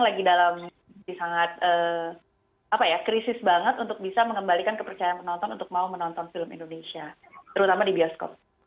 lagi dalam sangat krisis banget untuk bisa mengembalikan kepercayaan penonton untuk mau menonton film indonesia terutama di bioskop